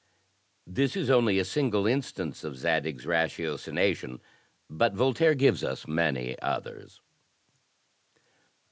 This is only a single instance of Zadig's ratiocination, but Voltaire gives us many others.